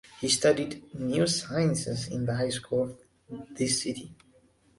He studied new sciences in the high schools of this city.